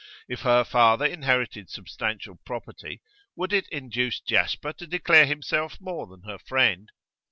If her father inherited substantial property, would it induce Jasper to declare himself more than her friend?